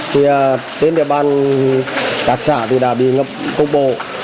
các xã đã đi ngập khúc bồ